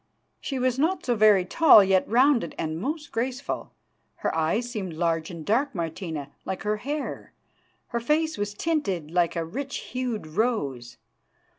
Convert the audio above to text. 'She was not so very tall, yet rounded and most graceful. Her eyes seemed large and dark, Martina, like her hair; her face was tinted like a rich hued rose.